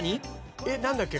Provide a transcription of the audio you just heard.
えっなんだっけ？